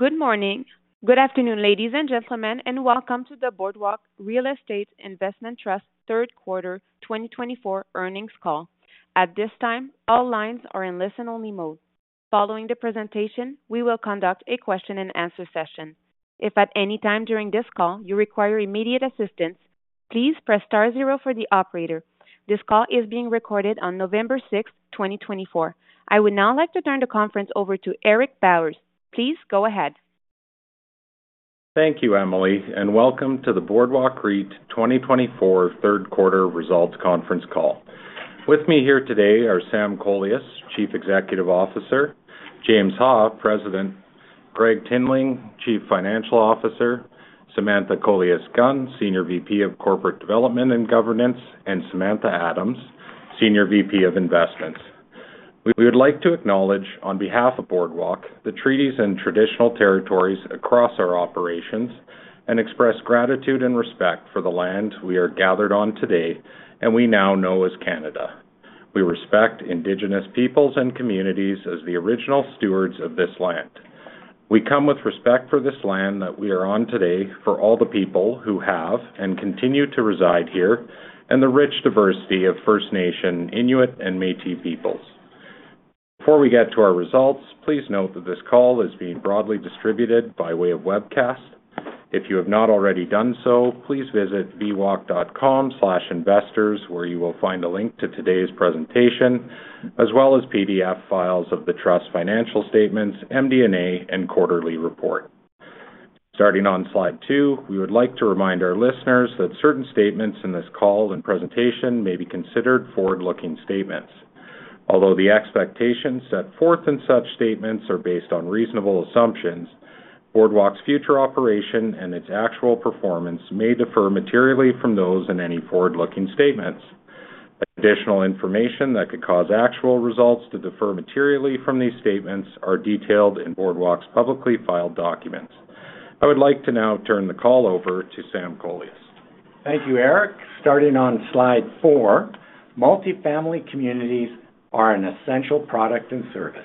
Good morning. Good afternoon, ladies and gentlemen, and welcome to the Boardwalk Real Estate Investment Trust third quarter 2024 earnings call. At this time, all lines are in listen-only mode. Following the presentation, we will conduct a question-and-answer session. If at any time during this call you require immediate assistance, please press star zero for the operator. This call is being recorded on November 6th, 2024. I would now like to turn the conference over to Eric Bowers. Please go ahead. Thank you, Emily, and welcome to the Boardwalk REIT 2024 third quarter results conference call. With me here today are Sam Kolias, Chief Executive Officer, James Ha, President, Gregg Tinling, Chief Financial Officer, Samantha Kolias-Gunn, Senior VP of Corporate Development and Governance, and Samantha Adams, Senior VP of Investments. We would like to acknowledge, on behalf of Boardwalk, the treaties and traditional territories across our operations, and express gratitude and respect for the land we are gathered on today and we now know as Canada. We respect Indigenous peoples and communities as the original stewards of this land. We come with respect for this land that we are on today for all the people who have and continue to reside here and the rich diversity of First Nation, Inuit, and Métis peoples. Before we get to our results, please note that this call is being broadly distributed by way of webcast. If you have not already done so, please visit bwalk.com/investors, where you will find a link to today's presentation, as well as PDF files of the trust's financial statements, MD&A, and quarterly report. Starting on slide two, we would like to remind our listeners that certain statements in this call and presentation may be considered forward-looking statements. Although the expectations set forth in such statements are based on reasonable assumptions, Boardwalk's future operation and its actual performance may differ materially from those in any forward-looking statements. Additional information that could cause actual results to differ materially from these statements is detailed in Boardwalk's publicly filed documents. I would like to now turn the call over to Sam Kolias. Thank you, Eric. Starting on slide four, multifamily communities are an essential product and service.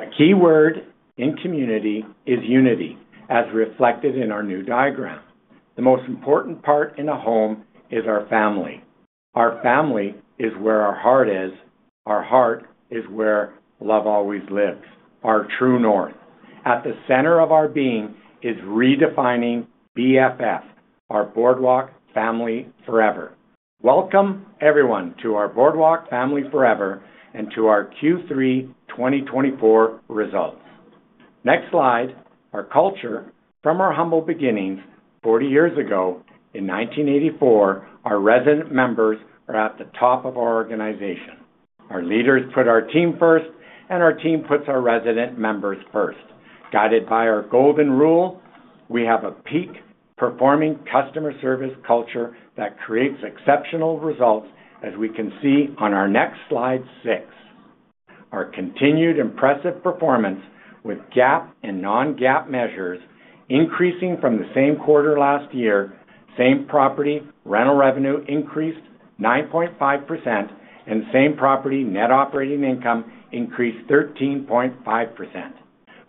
A key word in community is unity, as reflected in our new diagram. The most important part in a home is our family. Our family is where our heart is. Our heart is where love always lives. Our true north, at the center of our being, is redefining BFF, our Boardwalk Family Forever. Welcome, everyone, to our Boardwalk Family Forever and to our Q3 2024 results. Next slide. Our culture, from our humble beginnings 40 years ago in 1984, our resident members are at the top of our organization. Our leaders put our team first, and our team puts our resident members first. Guided by our Golden Rule, we have a peak performing customer service culture that creates exceptional results, as we can see on our next slide six. Our continued impressive performance, with GAAP and non-GAAP measures increasing from the same quarter last year, Same Property rental revenue increased 9.5%, and Same Property net operating income increased 13.5%.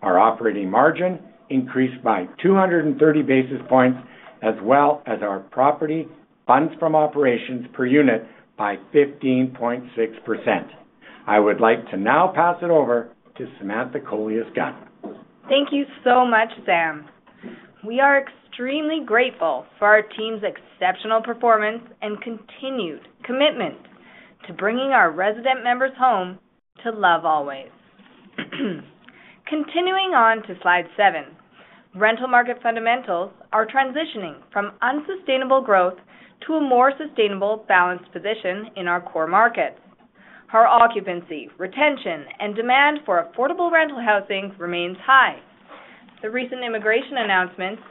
Our operating margin increased by 230 basis points, as well as our property Funds From Operations per unit by 15.6%. I would like to now pass it over to Samantha Kolias-Gunn. Thank you so much, Sam. We are extremely grateful for our team's exceptional performance and continued commitment to bringing our resident members home to love always. Continuing on to slide seven, rental market fundamentals are transitioning from unsustainable growth to a more sustainable balanced position in our core markets. Our occupancy, retention, and demand for affordable rental housing remains high. The recent immigration announcements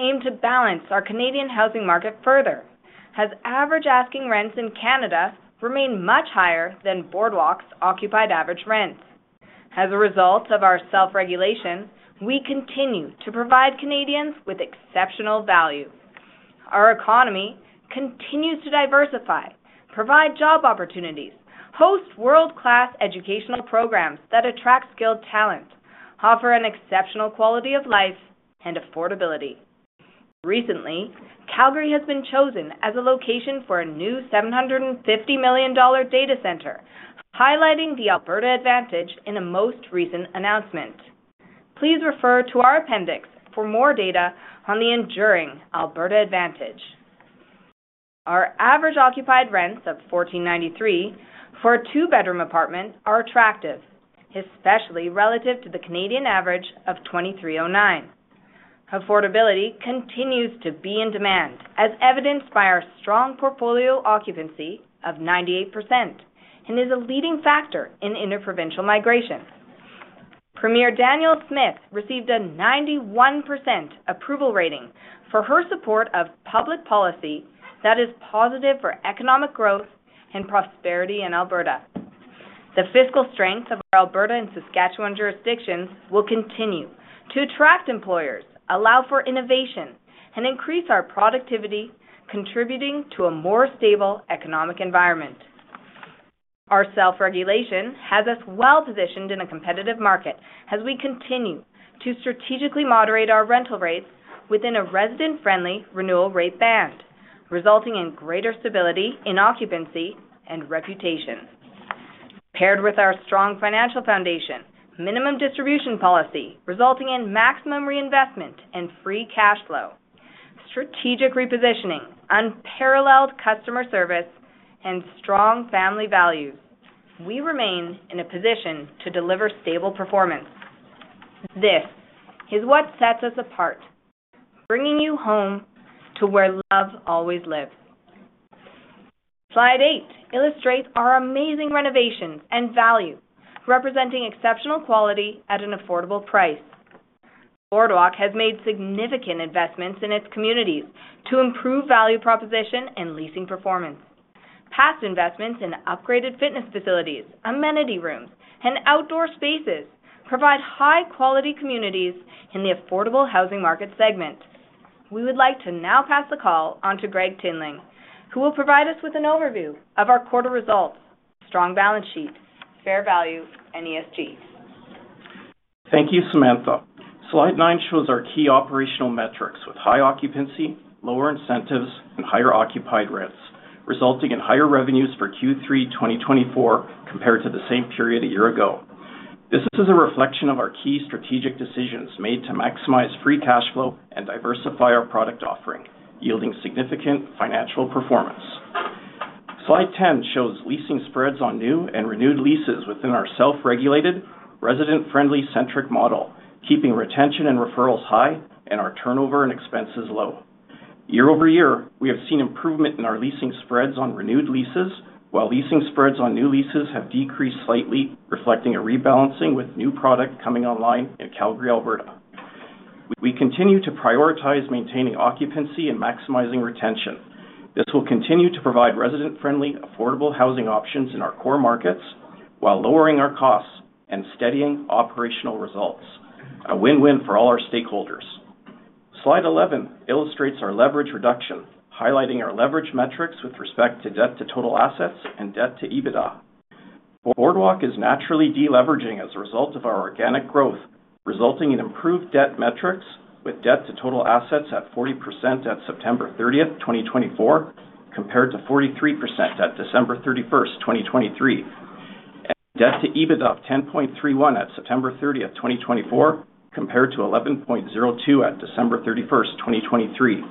aim to balance our Canadian housing market further, as average asking rents in Canada remain much higher than Boardwalk's occupied average rent. As a result of our self-regulation, we continue to provide Canadians with exceptional value. Our economy continues to diversify, provide job opportunities, host world-class educational programs that attract skilled talent, offer an exceptional quality of life and affordability. Recently, Calgary has been chosen as a location for a new 750 million dollar data center, highlighting the Alberta Advantage in a most recent announcement. Please refer to our appendix for more data on the enduring Alberta Advantage. Our average occupied rents of 1,493 for a two-bedroom apartment are attractive, especially relative to the Canadian average of 2,309. Affordability continues to be in demand, as evidenced by our strong portfolio occupancy of 98% and is a leading factor in interprovincial migration. Premier Danielle Smith received a 91% approval rating for her support of public policy that is positive for economic growth and prosperity in Alberta. The fiscal strength of our Alberta and Saskatchewan jurisdictions will continue to attract employers, allow for innovation, and increase our productivity, contributing to a more stable economic environment. Our self-regulation has us well positioned in a competitive market as we continue to strategically moderate our rental rates within a resident-friendly renewal rate band, resulting in greater stability in occupancy and reputation. Paired with our strong financial foundation, minimum distribution policy resulting in maximum reinvestment and free cash flow, strategic repositioning, unparalleled customer service, and strong family values, we remain in a position to deliver stable performance. This is what sets us apart, bringing you home to where love always lives. Slide eight illustrates our amazing renovations and value, representing exceptional quality at an affordable price. Boardwalk has made significant investments in its communities to improve value proposition and leasing performance. Past investments in upgraded fitness facilities, amenity rooms, and outdoor spaces provide high-quality communities in the affordable housing market segment. We would like to now pass the call on to Gregg Tinling, who will provide us with an overview of our quarter results, strong balance sheet, fair value, and ESG. Thank you, Samantha. Slide nine shows our key operational metrics with high occupancy, lower incentives, and higher occupied rents, resulting in higher revenues for Q3 2024 compared to the same period a year ago. This is a reflection of our key strategic decisions made to maximize free cash flow and diversify our product offering, yielding significant financial performance. Slide 10 shows leasing spreads on new and renewed leases within our self-regulated, resident-friendly-centric model, keeping retention and referrals high and our turnover and expenses low. Year-over-year, we have seen improvement in our leasing spreads on renewed leases, while leasing spreads on new leases have decreased slightly, reflecting a rebalancing with new product coming online in Calgary, Alberta. We continue to prioritize maintaining occupancy and maximizing retention. This will continue to provide resident-friendly, affordable housing options in our core markets while lowering our costs and steadying operational results. A win-win for all our stakeholders. Slide 11 illustrates our leverage reduction, highlighting our leverage metrics with respect to debt to total assets and debt to EBITDA. Boardwalk is naturally deleveraging as a result of our organic growth, resulting in improved debt metrics with debt to total assets at 40% at September 30th, 2024, compared to 43% at December 31st, 2023, and debt to EBITDA of 10.31 at September 30th, 2024, compared to 11.02 at December 31st, 2023.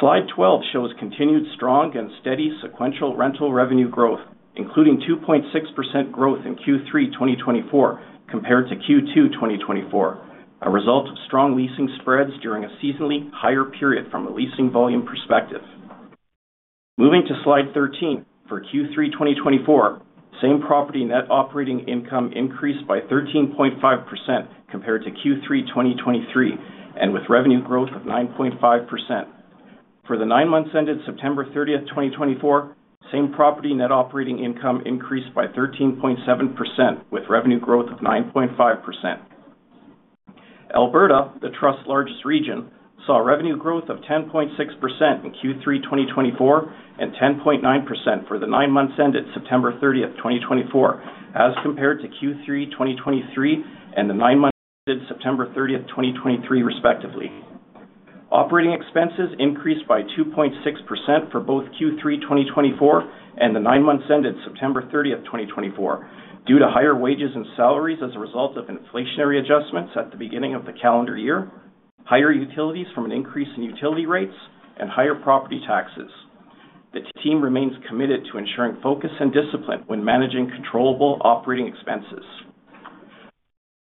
Slide 12 shows continued strong and steady sequential rental revenue growth, including 2.6% growth in Q3 2024 compared to Q2 2024, a result of strong leasing spreads during a seasonally higher period from a leasing volume perspective. Moving to slide 13 for Q3 2024, same property net operating income increased by 13.5% compared to Q3 2023, and with revenue growth of 9.5%. For the nine months ended September 30th, 2024, same property net operating income increased by 13.7% with revenue growth of 9.5%. Alberta, the trust's largest region, saw revenue growth of 10.6% in Q3 2024 and 10.9% for the nine months ended September 30th, 2024, as compared to Q3 2023 and the nine months ended September 30th, 2023, respectively. Operating expenses increased by 2.6% for both Q3 2024 and the nine months ended September 30th, 2024, due to higher wages and salaries as a result of inflationary adjustments at the beginning of the calendar year, higher utilities from an increase in utility rates, and higher property taxes. The team remains committed to ensuring focus and discipline when managing controllable operating expenses.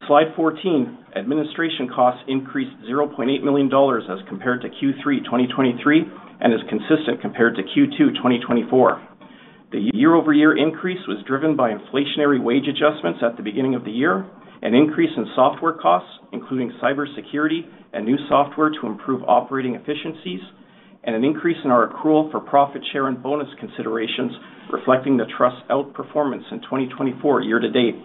Slide 14, administration costs increased 0.8 million dollars as compared to Q3 2023 and is consistent compared to Q2 2024. The year-over-year increase was driven by inflationary wage adjustments at the beginning of the year, an increase in software costs, including cybersecurity and new software to improve operating efficiencies, and an increase in our accrual for profit share and bonus considerations, reflecting the trust's outperformance in 2024 year to date.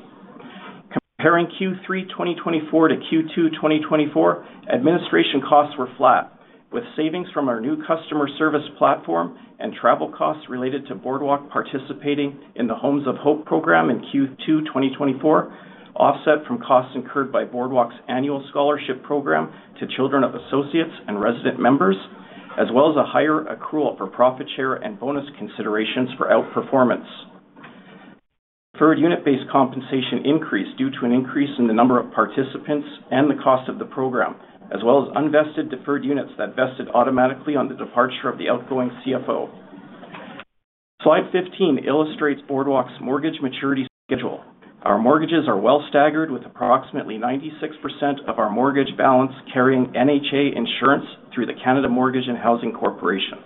Comparing Q3 2024 to Q2 2024, administration costs were flat, with savings from our new customer service platform and travel costs related to Boardwalk participating in the Homes of Hope program in Q2 2024, offset from costs incurred by Boardwalk's annual scholarship program to children of associates and resident members, as well as a higher accrual for profit share and bonus considerations for outperformance. Deferred unit-based compensation increased due to an increase in the number of participants and the cost of the program, as well as unvested deferred units that vested automatically on the departure of the outgoing CFO. Slide 15 illustrates Boardwalk's mortgage maturity schedule. Our mortgages are well staggered, with approximately 96% of our mortgage balance carrying NHA insurance through the Canada Mortgage and Housing Corporation.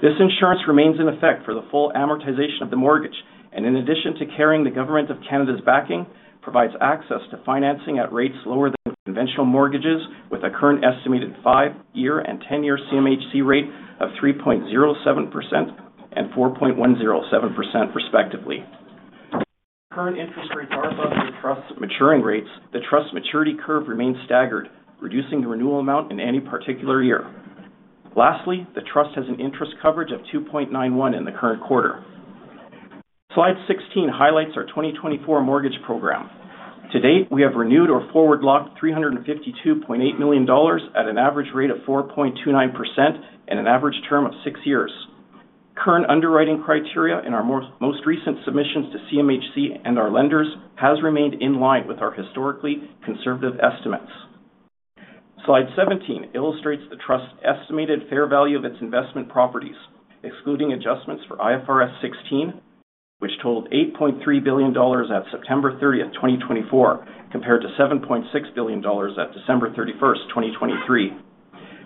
This insurance remains in effect for the full amortization of the mortgage, and in addition to carrying the government of Canada's backing, provides access to financing at rates lower than conventional mortgages, with a current estimated five-year and 10-year CMHC rate of 3.07% and 4.107%, respectively. Current interest rates are above the trust's maturing rates. The trust's maturity curve remains staggered, reducing the renewal amount in any particular year. Lastly, the trust has an interest coverage of 2.91 in the current quarter. Slide 16 highlights our 2024 mortgage program. To date, we have renewed or forward locked 352.8 million dollars at an average rate of 4.29% and an average term of six years. Current underwriting criteria in our most recent submissions to CMHC and our lenders has remained in line with our historically conservative estimates. Slide 17 illustrates the trust's estimated fair value of its investment properties, excluding adjustments for IFRS 16, which totaled 8.3 billion dollars at September 30th, 2024, compared to 7.6 billion dollars at December 31st, 2023.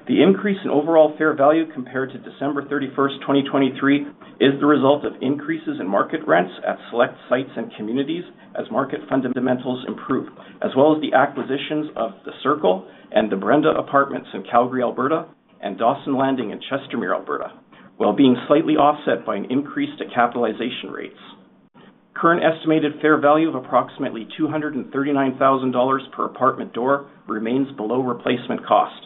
The increase in overall fair value compared to December 31st, 2023, is the result of increases in market rents at select sites and communities as market fundamentals improve, as well as the acquisitions of The Circle and The Brenda Apartments in Calgary, Alberta, and Dawson Landing in Chestermere, Alberta, while being slightly offset by an increase to capitalization rates. Current estimated fair value of approximately 239,000 dollars per apartment door remains below replacement cost.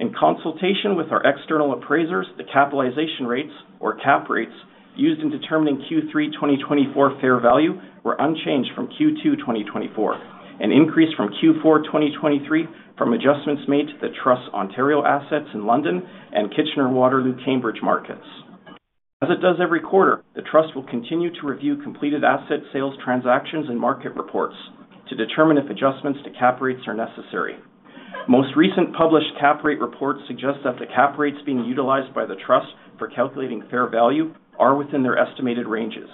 In consultation with our external appraisers, the capitalization rates, or cap rates, used in determining Q3 2024 fair value were unchanged from Q2 2024, an increase from Q4 2023 from adjustments made to the trust's Ontario assets in London and Kitchener, Waterloo, Cambridge markets. As it does every quarter, the trust will continue to review completed asset sales transactions and market reports to determine if adjustments to cap rates are necessary. Most recent published cap rate reports suggest that the cap rates being utilized by the trust for calculating fair value are within their estimated ranges.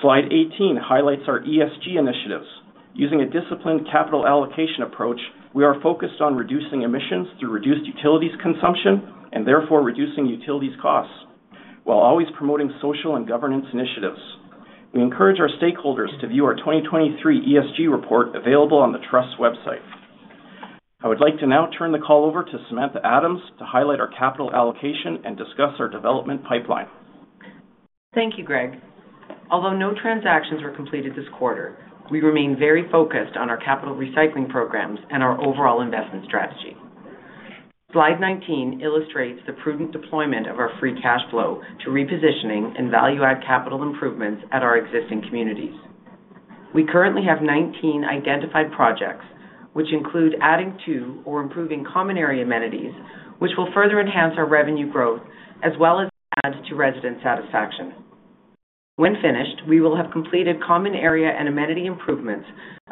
Slide 18 highlights our ESG initiatives. Using a disciplined capital allocation approach, we are focused on reducing emissions through reduced utilities consumption and therefore reducing utilities costs, while always promoting social and governance initiatives. We encourage our stakeholders to view our 2023 ESG report available on the trust's website. I would like to now turn the call over to Samantha Adams to highlight our capital allocation and discuss our development pipeline. Thank you, Gregg. Although no transactions were completed this quarter, we remain very focused on our capital recycling programs and our overall investment strategy. Slide 19 illustrates the prudent deployment of our free cash flow to repositioning and value-add capital improvements at our existing communities. We currently have 19 identified projects, which include adding to or improving common area amenities, which will further enhance our revenue growth as well as add to resident satisfaction. When finished, we will have completed common area and amenity improvements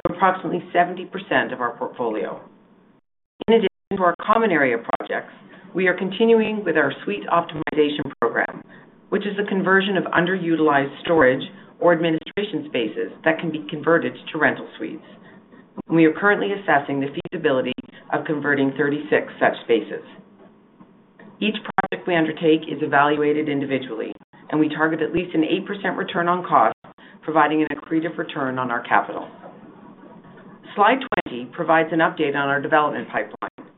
of approximately 70% of our portfolio. In addition to our common area projects, we are continuing with our suite optimization program, which is the conversion of underutilized storage or administration spaces that can be converted to rental suites. We are currently assessing the feasibility of converting 36 such spaces. Each project we undertake is evaluated individually, and we target at least an 8% return on cost, providing an accretive return on our capital. Slide 20 provides an update on our development pipeline.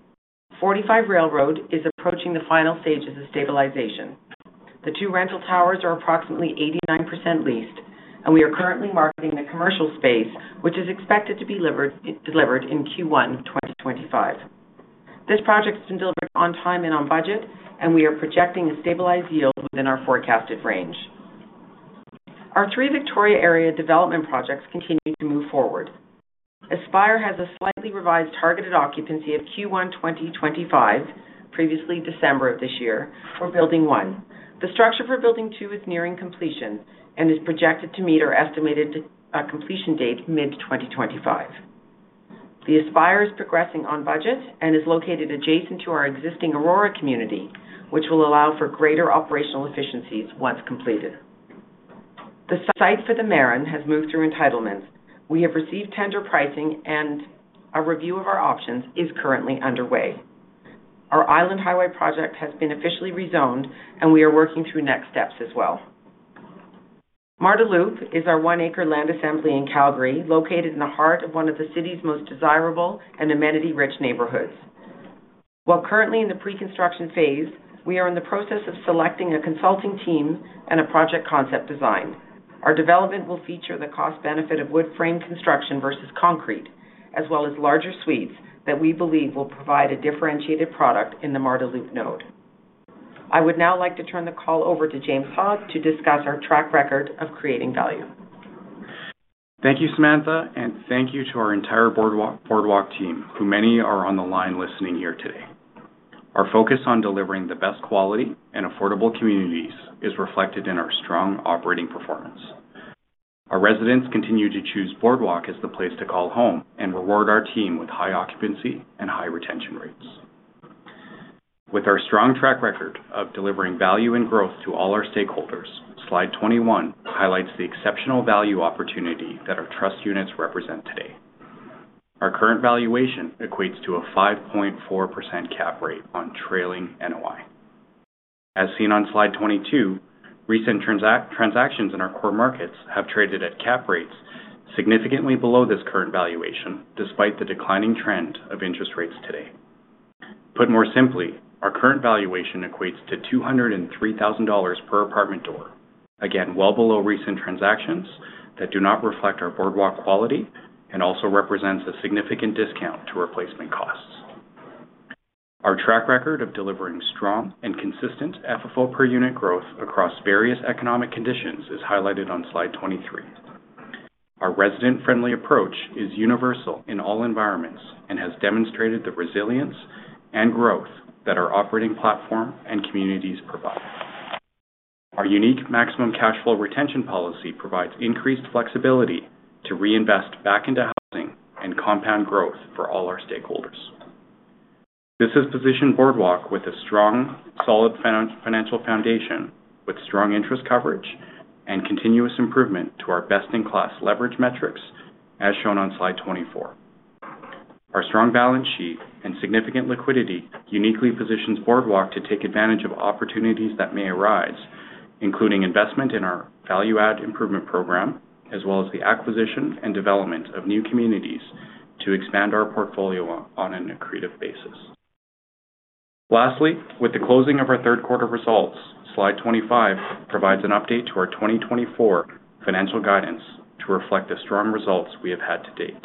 45 Railroad is approaching the final stages of stabilization. The two rental towers are approximately 89% leased, and we are currently marketing the commercial space, which is expected to be delivered in Q1 2025. This project has been delivered on time and on budget, and we are projecting a stabilized yield within our forecasted range. Our three Victoria area development projects continue to move forward. Aspire has a slightly revised targeted occupancy of Q1 2025, previously December of this year, for Building 1. The structure for Building 2 is nearing completion and is projected to meet our estimated completion date mid-2025. The Aspire is progressing on budget and is located adjacent to our existing Aurora community, which will allow for greater operational efficiencies once completed. The site for The Marin has moved through entitlements. We have received tender pricing, and a review of our options is currently underway. Our Island Highway project has been officially rezoned, and we are working through next steps as well. Marda Loop is our one-acre land assembly in Calgary, located in the heart of one of the city's most desirable and amenity-rich neighborhoods. While currently in the pre-construction phase, we are in the process of selecting a consulting team and a project concept design. Our development will feature the cost-benefit of wood frame construction versus concrete, as well as larger suites that we believe will provide a differentiated product in the Marda Loop node. I would now like to turn the call over to James Ha to discuss our track record of creating value. Thank you, Samantha, and thank you to our entire Boardwalk team, whom many are on the line listening here today. Our focus on delivering the best quality and affordable communities is reflected in our strong operating performance. Our residents continue to choose Boardwalk as the place to call home and reward our team with high occupancy and high retention rates. With our strong track record of delivering value and growth to all our stakeholders, Slide 21 highlights the exceptional value opportunity that our trust units represent today. Our current valuation equates to a 5.4% cap rate on trailing NOI. As seen on Slide 22, recent transactions in our core markets have traded at cap rates significantly below this current valuation, despite the declining trend of interest rates today. Put more simply, our current valuation equates to $203,000 per apartment door, again, well below recent transactions that do not reflect our Boardwalk quality and also represents a significant discount to replacement costs. Our track record of delivering strong and consistent FFO per unit growth across various economic conditions is highlighted on Slide 23. Our resident-friendly approach is universal in all environments and has demonstrated the resilience and growth that our operating platform and communities provide. Our unique maximum cash flow retention policy provides increased flexibility to reinvest back into housing and compound growth for all our stakeholders. This has positioned Boardwalk with a strong, solid financial foundation with strong interest coverage and continuous improvement to our best-in-class leverage metrics, as shown on Slide 24. Our strong balance sheet and significant liquidity uniquely positions Boardwalk to take advantage of opportunities that may arise, including investment in our value-add improvement program, as well as the acquisition and development of new communities to expand our portfolio on an accretive basis. Lastly, with the closing of our third quarter results, Slide 25 provides an update to our 2024 financial guidance to reflect the strong results we have had to date.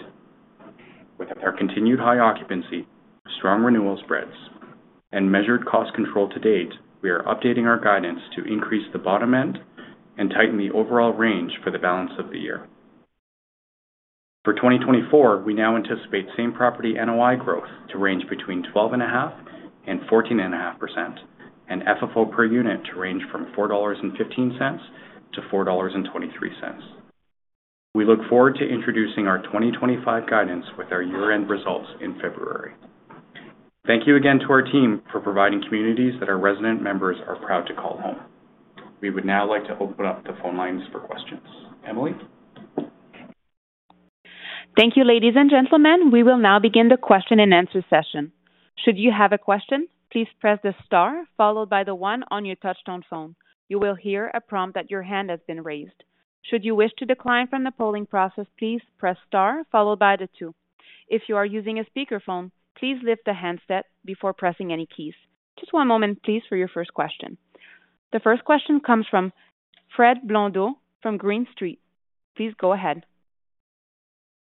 With our continued high occupancy, strong renewal spreads, and measured cost control to date, we are updating our guidance to increase the bottom end and tighten the overall range for the balance of the year. For 2024, we now anticipate same property NOI growth to range between 12.5% and 14.5%, and FFO per unit to range from $4.15 to $4.23. We look forward to introducing our 2025 guidance with our year-end results in February. Thank you again to our team for providing communities that our resident members are proud to call home. We would now like to open up the phone lines for questions. Emily? Thank you, ladies and gentlemen. We will now begin the question-and-answer session. Should you have a question, please press the star followed by the one on your touch-tone phone. You will hear a prompt that your hand has been raised. Should you wish to decline from the polling process, please press star followed by the two. If you are using a speakerphone, please lift the handset before pressing any keys. Just one moment, please, for your first question. The first question comes from Fred Blondeau from Green Street. Please go ahead.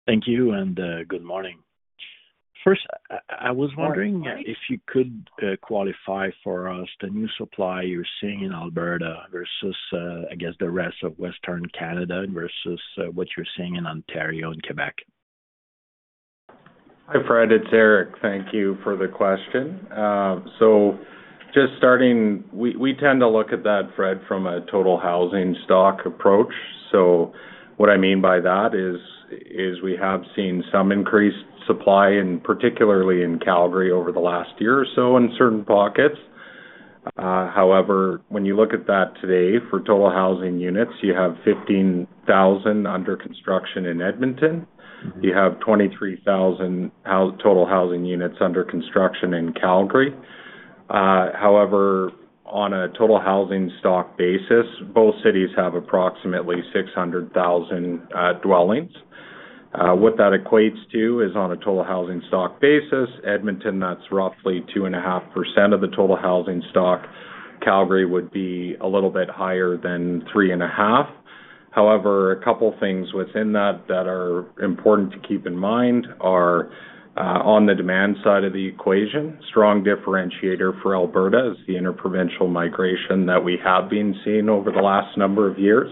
Thank you and good morning. First, I was wondering if you could qualify for us the new supply you're seeing in Alberta versus, I guess, the rest of Western Canada versus what you're seeing in Ontario and Quebec? Hi, Fred. It's Eric. Thank you for the question. So just starting, we tend to look at that, Fred, from a total housing stock approach. So what I mean by that is we have seen some increased supply, particularly in Calgary, over the last year or so in certain pockets. However, when you look at that today, for total housing units, you have 15,000 under construction in Edmonton. You have 23,000 total housing units under construction in Calgary. However, on a total housing stock basis, both cities have approximately 600,000 dwellings. What that equates to is, on a total housing stock basis, Edmonton, that's roughly 2.5% of the total housing stock. Calgary would be a little bit higher than 3.5%. However, a couple of things within that that are important to keep in mind are, on the demand side of the equation, a strong differentiator for Alberta is the interprovincial migration that we have been seeing over the last number of years.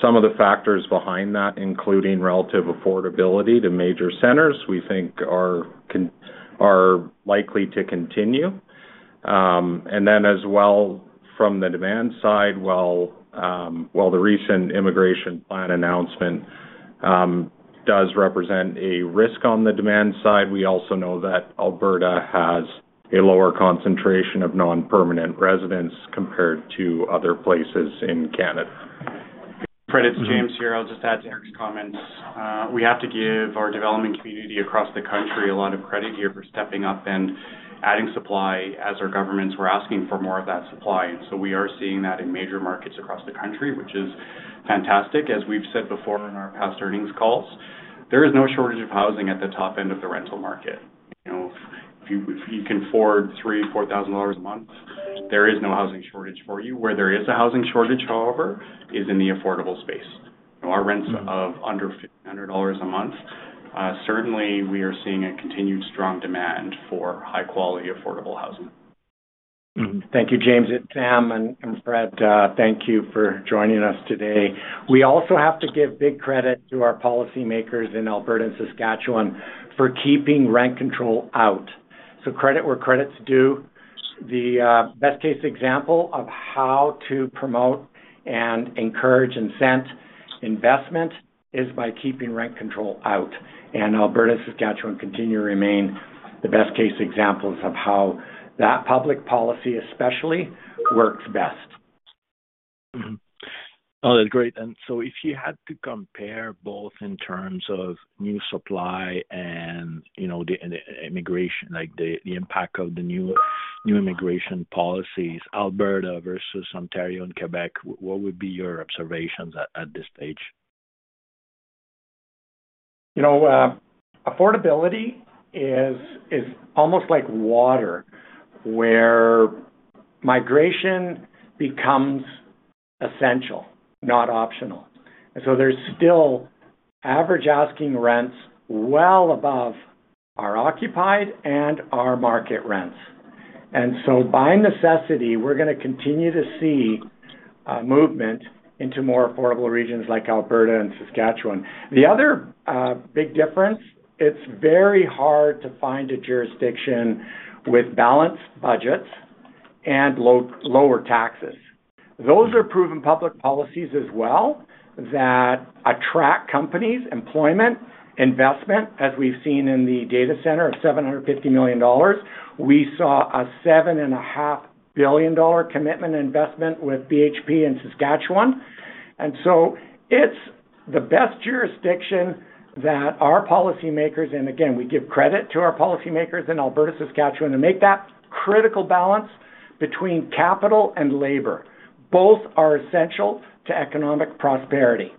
Some of the factors behind that, including relative affordability to major centers, we think are likely to continue. And then, as well, from the demand side, while the recent immigration plan announcement does represent a risk on the demand side, we also know that Alberta has a lower concentration of non-permanent residents compared to other places in Canada. Fred, it's James here. I'll just add to Eric's comments. We have to give our development community across the country a lot of credit here for stepping up and adding supply as our governments were asking for more of that supply, and so we are seeing that in major markets across the country, which is fantastic. As we've said before in our past earnings calls, there is no shortage of housing at the top end of the rental market. If you can afford 3,000, 4,000 dollars a month, there is no housing shortage for you. Where there is a housing shortage, however, is in the affordable space. Our rents are under 1,500 dollars a month. Certainly, we are seeing a continued strong demand for high-quality affordable housing. Thank you, James. It's Sam and Fred thank you for joining us today. We also have to give big credit to our policymakers in Alberta and Saskatchewan for keeping rent control out. So credit where credit's due. The best-case example of how to promote and encourage and incent investment is by keeping rent control out. And Alberta and Saskatchewan continue to remain the best-case examples of how that public policy especially works best. Oh, that's great. And so if you had to compare both in terms of new supply and immigration, like the impact of the new immigration policies, Alberta versus Ontario and Quebec, what would be your observations at this stage? You know, affordability is almost like water, where migration becomes essential, not optional. And so there's still average asking rents well above our occupied and our market rents. And so by necessity, we're going to continue to see movement into more affordable regions like Alberta and Saskatchewan. The other big difference, it's very hard to find a jurisdiction with balanced budgets and lower taxes. Those are proven public policies as well that attract companies, employment, investment, as we've seen in the data center of $750 million. We saw a $7.5 billion commitment investment with BHP in Saskatchewan. And so it's the best jurisdiction that our policymakers, and again, we give credit to our policymakers in Alberta, Saskatchewan, to make that critical balance between capital and labor. Both are essential to economic prosperity.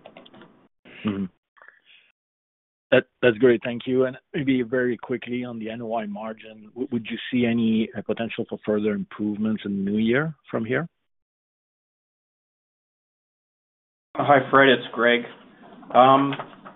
That's great. Thank you. And maybe very quickly, on the NOI margin, would you see any potential for further improvements in the new year from here? Hi, Fred. It's Greg.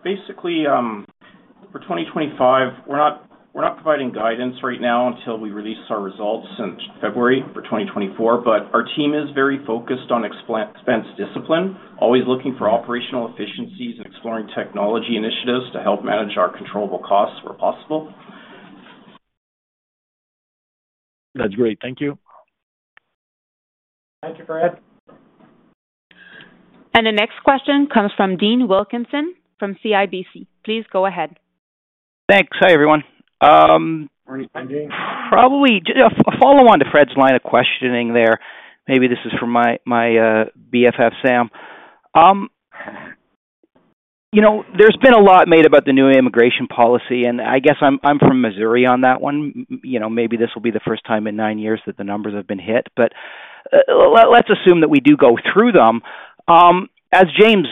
Basically, for 2025, we're not providing guidance right now until we release our results in February for 2024. But our team is very focused on expense discipline, always looking for operational efficiencies and exploring technology initiatives to help manage our controllable costs where possible. That's great. Thank you. Thank you, Fred. The next question comes from Dean Wilkinson from CIBC. Please go ahead. Thanks. Hi, everyone. Morning, Dean. Probably a follow-on to Fred's line of questioning there. Maybe this is for my BFF Sam. There's been a lot made about the new immigration policy, and I guess I'm from Missouri on that one. Maybe this will be the first time in nine years that the numbers have been hit. But let's assume that we do go through them. As James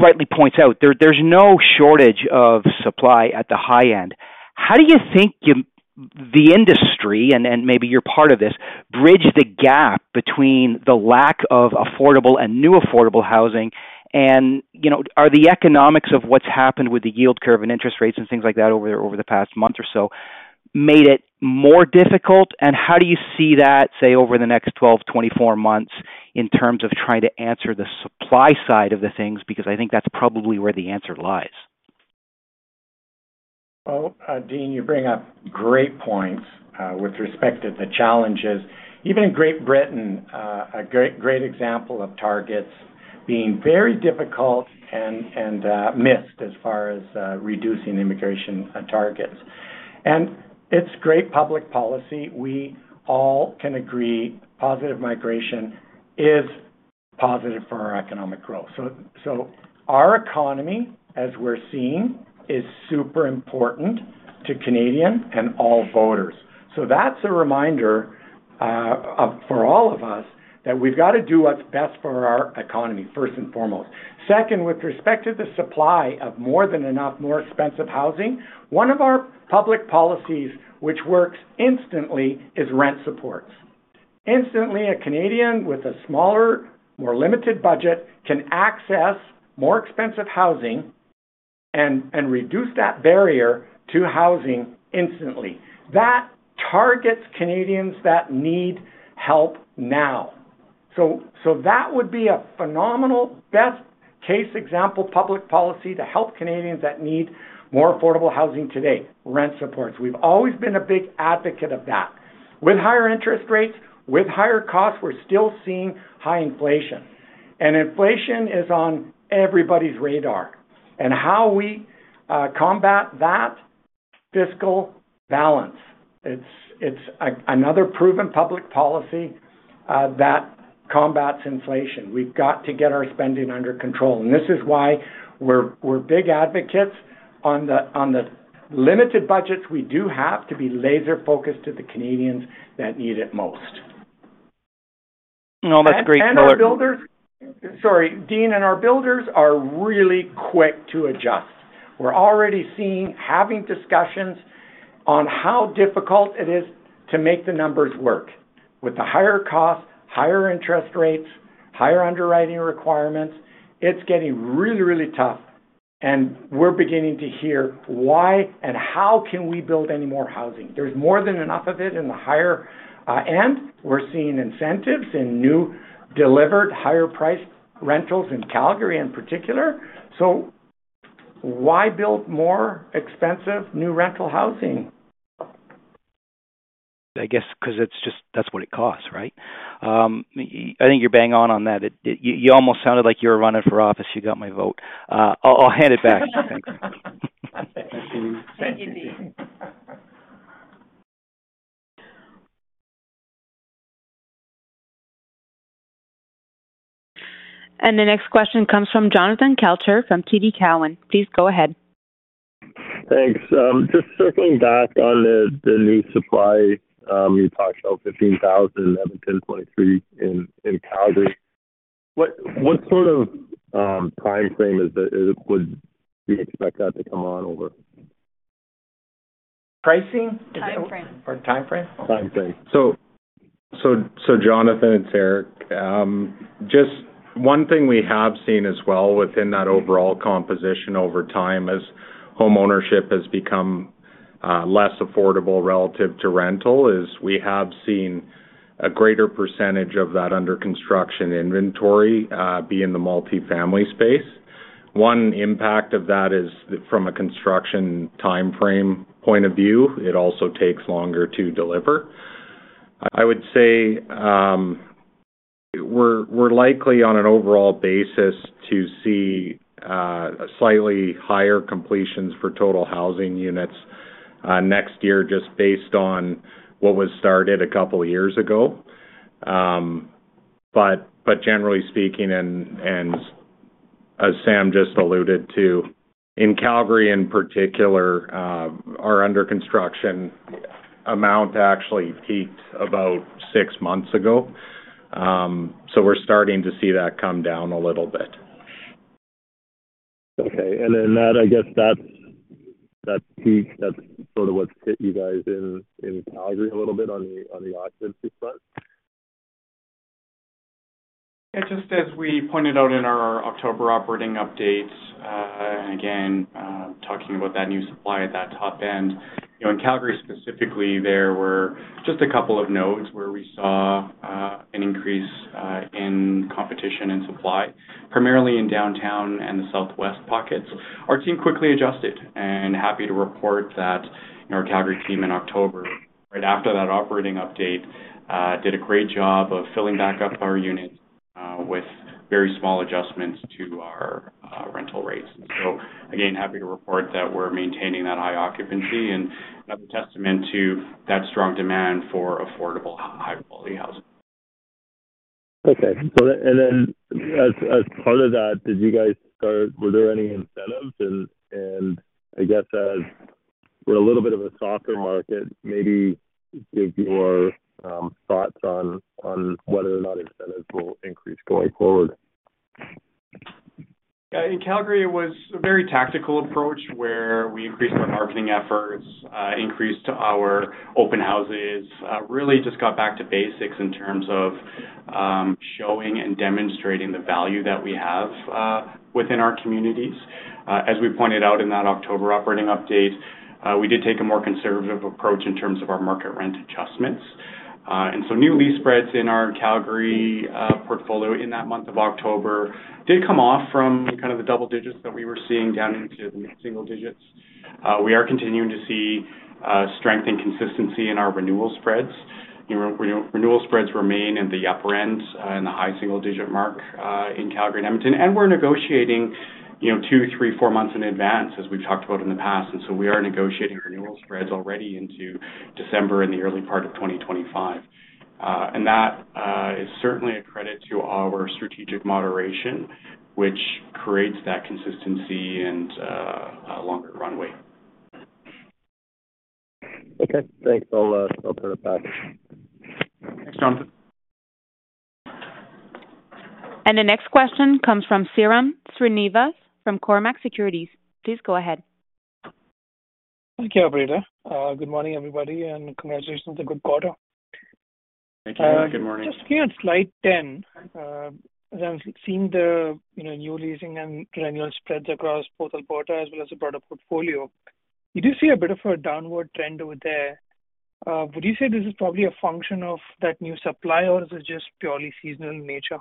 rightly points out, there's no shortage of supply at the high end. How do you think the industry - and maybe you're part of this - bridged the gap between the lack of affordable and new affordable housing? And are the economics of what's happened with the yield curve and interest rates and things like that over the past month or so made it more difficult? And how do you see that, say, over the next 12, 24 months in terms of trying to answer the supply side of the things? Because I think that's probably where the answer lies. Dean, you bring up great points with respect to the challenges. Even in Great Britain, a great example of targets being very difficult and missed as far as reducing immigration targets. It's great public policy. We all can agree positive migration is positive for our economic growth. Our economy, as we're seeing, is super important to Canadians and all voters. That's a reminder for all of us that we've got to do what's best for our economy, first and foremost. Second, with respect to the supply of more than enough, more expensive housing, one of our public policies which works instantly is rent supports. Instantly, a Canadian with a smaller, more limited budget can access more expensive housing and reduce that barrier to housing instantly. That targets Canadians that need help now. So that would be a phenomenal best-case example of public policy to help Canadians that need more affordable housing today: rent supports. We've always been a big advocate of that. With higher interest rates, with higher costs, we're still seeing high inflation. And inflation is on everybody's radar. And how we combat that? Fiscal balance. It's another proven public policy that combats inflation. We've got to get our spending under control. And this is why we're big advocates. On the limited budgets, we do have to be laser-focused to the Canadians that need it most. No, that's great. builders, sorry, Dean, and our builders are really quick to adjust. We're already seeing, having discussions on how difficult it is to make the numbers work. With the higher costs, higher interest rates, higher underwriting requirements, it's getting really, really tough. We're beginning to hear why and how can we build any more housing? There's more than enough of it in the higher end. We're seeing incentives in new delivered higher-priced rentals in Calgary in particular. Why build more expensive new rental housing? I guess because that's what it costs, right? I think you're bang on that. You almost sounded like you were running for office. You got my vote. I'll hand it back. Thanks. Thank you, Dean. And the next question comes from Jonathan Kelcher from TD Cowen. Please go ahead. Thanks. Just circling back on the new supply, you talked about 15,000, 11, 10, 23 in Calgary. What sort of timeframe would you expect that to come on over? Pricing? Timeframe. Or timeframe? Timeframe. Timeframe. So, Jonathan its Eric, just one thing we have seen as well within that overall composition over time as homeownership has become less affordable relative to rental is we have seen a greater percentage of that under construction inventory be in the multifamily space. One impact of that is from a construction timeframe point of view. It also takes longer to deliver. I would say we're likely, on an overall basis, to see slightly higher completions for total housing units next year, just based on what was started a couple of years ago. But generally speaking, and as Sam just alluded to, in Calgary in particular, our under construction amount actually peaked about six months ago. So we're starting to see that come down a little bit. Okay. And then I guess that's sort of what's hit you guys in Calgary a little bit on the occupancy front? Yeah. Just as we pointed out in our October operating updates, and again, talking about that new supply at that top end, in Calgary specifically, there were just a couple of nodes where we saw an increase in competition and supply, primarily in downtown and the southwest pockets. Our team quickly adjusted, and happy to report that our Calgary team in October, right after that operating update, did a great job of filling back up our units with very small adjustments to our rental rates, and so again, happy to report that we're maintaining that high occupancy and a testament to that strong demand for affordable, high-quality housing. Okay. And then as part of that, were there any incentives? And I guess as we're a little bit of a softer market, maybe give your thoughts on whether or not incentives will increase going forward. Yeah. In Calgary, it was a very tactical approach where we increased our marketing efforts, increased our open houses, really just got back to basics in terms of showing and demonstrating the value that we have within our communities. As we pointed out in that October operating update, we did take a more conservative approach in terms of our market rent adjustments. And so new lease spreads in our Calgary portfolio in that month of October did come off from kind of the double digits that we were seeing down into the single digits. We are continuing to see strength and consistency in our renewal spreads. Renewal spreads remain at the upper end and the high single-digit mark in Calgary and Edmonton. And we're negotiating two, three, four months in advance, as we've talked about in the past. And so we are negotiating renewal spreads already into December and the early part of 2025. And that is certainly a credit to our strategic moderation, which creates that consistency and longer runway. Okay. Thanks. I'll turn it back. Thanks, Jonathan. The next question comes from Sairam Srinivas from Cormark Securities. Please go ahead. Thank you, Alberta. Good morning, everybody, and congratulations on the good quarter. Thank you. Good morning. Just here at slide 10, as I'm seeing the new leasing and renewal spreads across both Alberta as well as the broader portfolio, you do see a bit of a downward trend over there. Would you say this is probably a function of that new supply, or is it just purely seasonal in nature?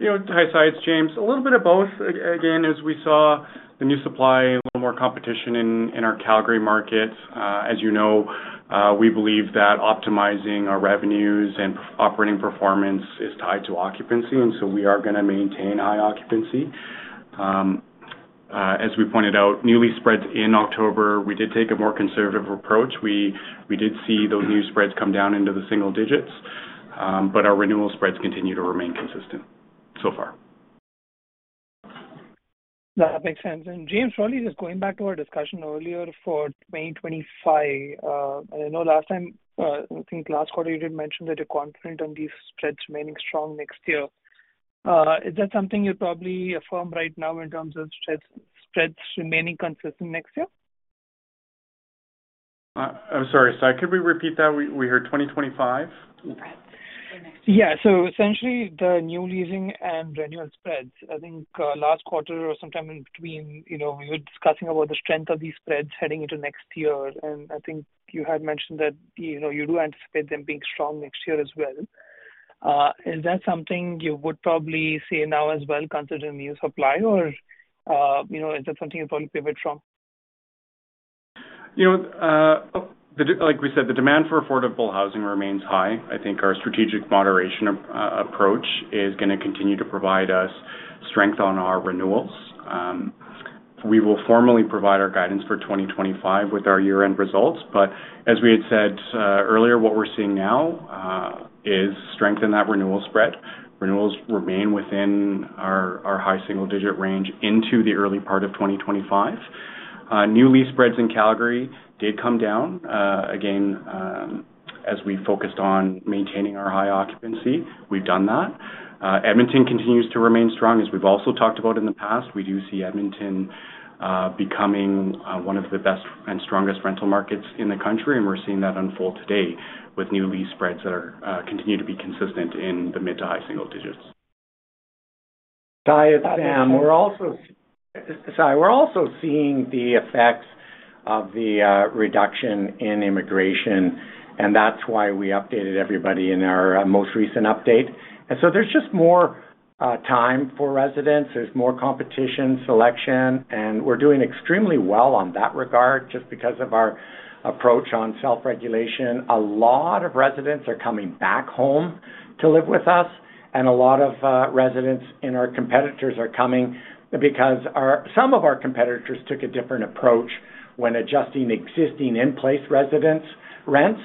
Yeah. Hi, it's James. A little bit of both. Again, as we saw the new supply, a little more competition in our Calgary market. As you know, we believe that optimizing our revenues and operating performance is tied to occupancy. And so we are going to maintain high occupancy. As we pointed out, new lease spreads in October, we did take a more conservative approach. We did see those new spreads come down into the single digits. But our renewal spreads continue to remain consistent so far. That makes sense. And James, really just going back to our discussion earlier for 2025, I know last time, I think last quarter, you did mention that you're confident on these spreads remaining strong next year. Is that something you'd probably affirm right now in terms of spreads remaining consistent next year? I'm sorry, so could we repeat that? We heard 2025. Yeah. So essentially, the new leasing and renewal spreads, I think last quarter or sometime in between, we were discussing about the strength of these spreads heading into next year. And I think you had mentioned that you do anticipate them being strong next year as well. Is that something you would probably say now as well, considering the new supply, or is that something you'd probably pivot from? Like we said, the demand for affordable housing remains high. I think our strategic moderation approach is going to continue to provide us strength on our renewals. We will formally provide our guidance for 2025 with our year-end results, but as we had said earlier, what we're seeing now is strength in that renewal spread. Renewals remain within our high single-digit range into the early part of 2025. New lease spreads in Calgary did come down. Again, as we focused on maintaining our high occupancy, we've done that. Edmonton continues to remain strong, as we've also talked about in the past. We do see Edmonton becoming one of the best and strongest rental markets in the country, and we're seeing that unfold today with new lease spreads that continue to be consistent in the mid to high single digits. Hi, Sam. We're also seeing the effects of the reduction in immigration, and that's why we updated everybody in our most recent update, and so there's just more time for residents. There's more competition, selection, and we're doing extremely well on that regard just because of our approach on self-regulation. A lot of residents are coming back home to live with us, and a lot of residents in our competitors are coming because some of our competitors took a different approach when adjusting existing in-place residents' rents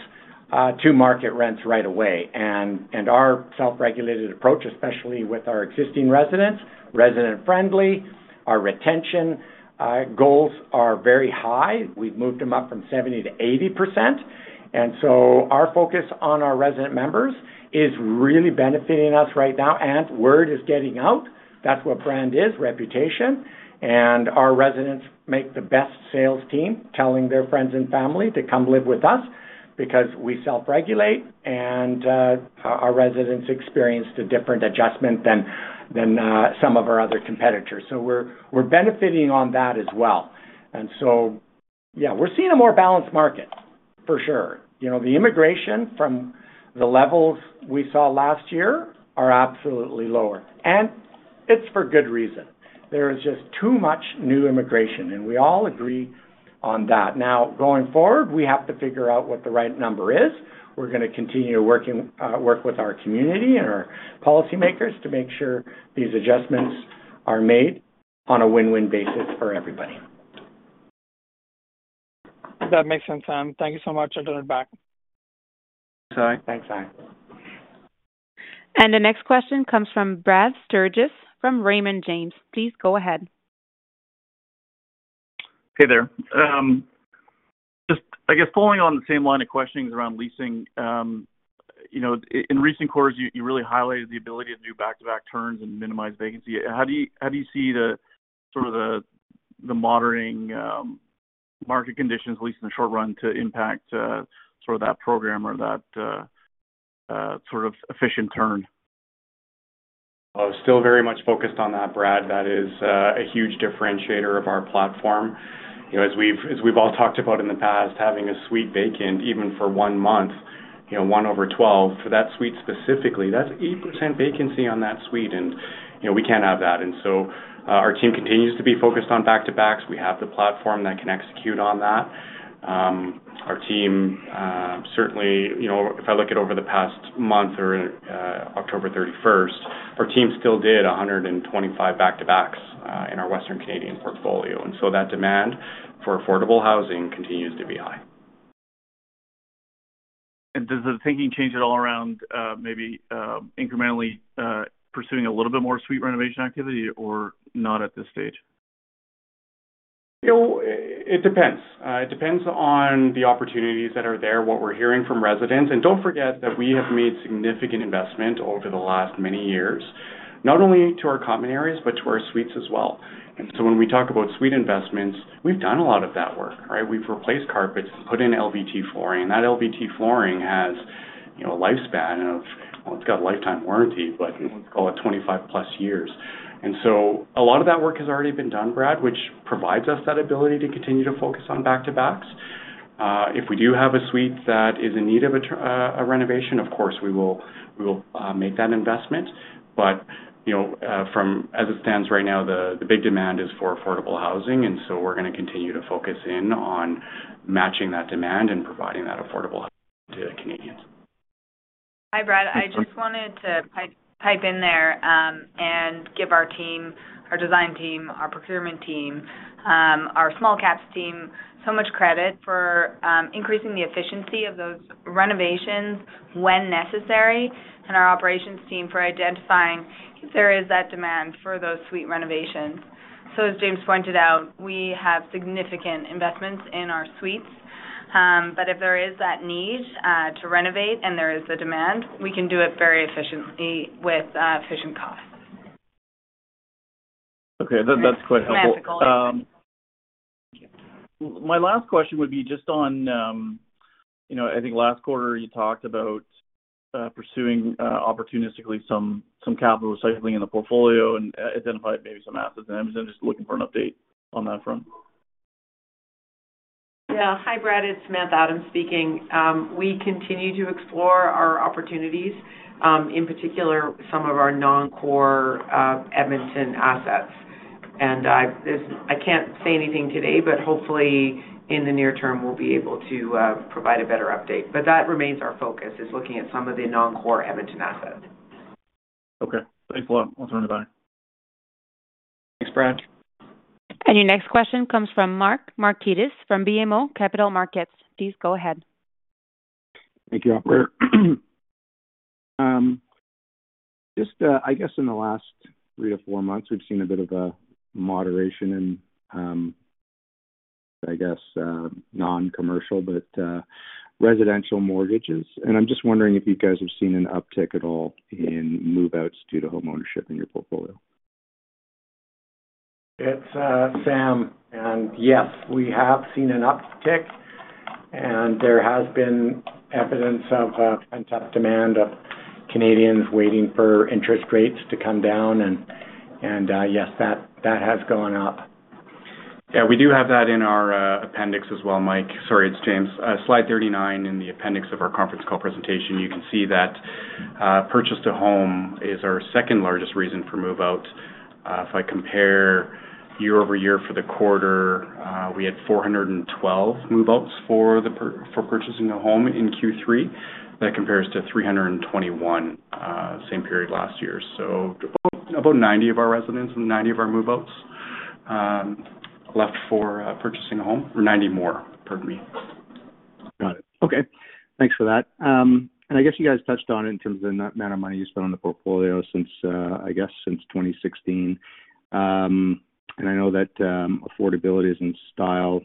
to market rents right away, and our self-regulated approach, especially with our existing residents, resident-friendly, our retention goals are very high. We've moved them up from 70% to 80%. And so our focus on our resident members is really benefiting us right now, and word is getting out. That's what brand is, reputation. And our residents make the best sales team, telling their friends and family to come live with us because we self-regulate. And our residents experienced a different adjustment than some of our other competitors. So we're benefiting on that as well. And so, yeah, we're seeing a more balanced market, for sure. The immigration from the levels we saw last year are absolutely lower. And it's for good reason. There is just too much new immigration. And we all agree on that. Now, going forward, we have to figure out what the right number is. We're going to continue to work with our community and our policymakers to make sure these adjustments are made on a win-win basis for everybody. That makes sense, Sam. Thank you so much. I'll turn it back. Thanks, Sam. The next question comes from Brad Sturges from Raymond James. Please go ahead. Hey there. Just, I guess, following on the same line of questions around leasing, in recent quarters, you really highlighted the ability to do back-to-back turns and minimize vacancy. How do you see sort of the modern market conditions, at least in the short run, to impact sort of that program or that sort of efficient turn? Still very much focused on that, Brad. That is a huge differentiator of our platform. As we've all talked about in the past, having a suite vacant, even for one month, one over 12, for that suite specifically, that's 80% vacancy on that suite. And we can't have that. And so our team continues to be focused on back-to-backs. We have the platform that can execute on that. Our team, certainly, if I look at over the past month or October 31st, our team still did 125 back-to-backs in our Western Canadian portfolio. And so that demand for affordable housing continues to be high. Does the thinking change at all around maybe incrementally pursuing a little bit more suite renovation activity or not at this stage? It depends. It depends on the opportunities that are there, what we're hearing from residents. And don't forget that we have made significant investment over the last many years, not only to our common areas, but to our suites as well. And so when we talk about suite investments, we've done a lot of that work, right? We've replaced carpets, put in LVT flooring. And that LVT flooring has a lifespan of, well, it's got a lifetime warranty, but let's call it 25-plus years. And so a lot of that work has already been done, Brad, which provides us that ability to continue to focus on back-to-backs. If we do have a suite that is in need of a renovation, of course, we will make that investment. But as it stands right now, the big demand is for affordable housing. We're going to continue to focus in on matching that demand and providing that affordable housing to Canadians. Hi, Brad. I just wanted to pipe in there and give our team, our design team, our procurement team, our small caps team so much credit for increasing the efficiency of those renovations when necessary, and our operations team for identifying if there is that demand for those suite renovations. So, as James pointed out, we have significant investments in our suites. But if there is that need to renovate and there is the demand, we can do it very efficiently with efficient costs. Okay. That's quite helpful. My last question would be just on, I think last quarter, you talked about pursuing opportunistically some capital recycling in the portfolio and identify maybe some assets, and I'm just looking for an update on that front. Yeah. Hi, Brad. It's Samantha Adams speaking. We continue to explore our opportunities, in particular, some of our non-core Edmonton assets. And I can't say anything today, but hopefully, in the near term, we'll be able to provide a better update. But that remains our focus, is looking at some of the non-core Edmonton assets. Okay. Thanks a lot. I'll turn it back. Thanks, Brad. Your next question comes from Mike Markidis from BMO Capital Markets. Please go ahead. Thank you, Alberta. Just, I guess, in the last three to four months, we've seen a bit of a moderation in, I guess, non-commercial but residential mortgages. And I'm just wondering if you guys have seen an uptick at all in move-outs due to homeownership in your portfolio? It's Sam. And yes, we have seen an uptick. And there has been evidence of pent-up demand of Canadians waiting for interest rates to come down. And yes, that has gone up. Yeah. We do have that in our appendix as well, Mike. Sorry, it's James. Slide 39 in the appendix of our conference call presentation, you can see that purchase of home is our second largest reason for move-out. If I compare year-over-year for the quarter, we had 412 move-outs for purchasing a home in Q3. That compares to 321 same period last year. So about 90 of our residents and 90 of our move-outs left for purchasing a home. 90 more, pardon me. Got it. Okay. Thanks for that. And I guess you guys touched on it in terms of the amount of money you spent on the portfolio since, I guess, since 2016. And I know that affordability is in style.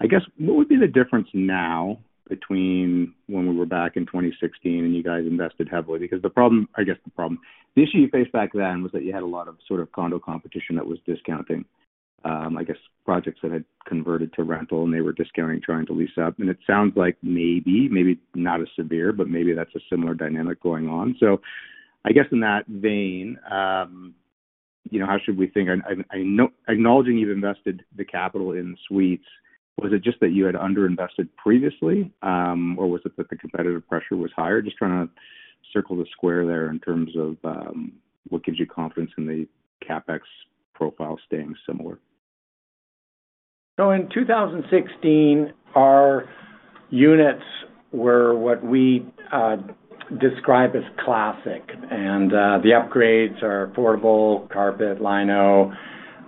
I guess, what would be the difference now between when we were back in 2016 and you guys invested heavily? Because the problem, I guess the problem, the issue you faced back then was that you had a lot of sort of condo competition that was discounting, I guess, projects that had converted to rental, and they were discounting, trying to lease up. And it sounds like maybe, maybe not as severe, but maybe that's a similar dynamic going on. So I guess in that vein, how should we think? Acknowledging you've invested the capital in suites, was it just that you had underinvested previously, or was it that the competitive pressure was higher? Just trying to square the circle there in terms of what gives you confidence in the CapEx profile staying similar. So in 2016, our units were what we describe as classic. And the upgrades are affordable carpet, lino,